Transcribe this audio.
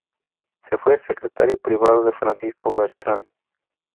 Se fue Secretario Privado de Francisco Bertrand.